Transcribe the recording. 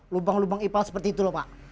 lubang lubang ipal seperti itu loh pak